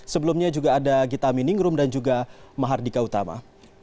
sebelumnya juga ada gita miningrum dan juga mahardika utama